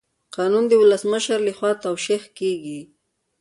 قانون د ولسمشر لخوا توشیح کیږي.